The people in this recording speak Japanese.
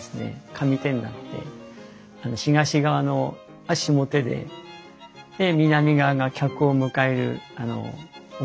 上手になって東側は下手で南側が客を迎える表向きなんですよ。